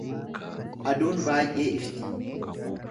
Aduun baay’ee ifti.